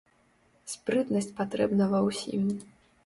Спрытнасць патрэбна ва ўсім.